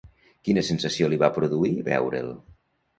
Quina sensació li va produir veure'l?